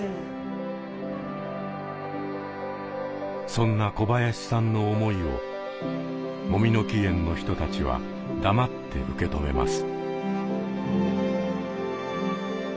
そんな小林さんの思いをもみの木苑の人たちは黙って受け止めます。